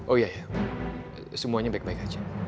oh iya ya semuanya baik baik aja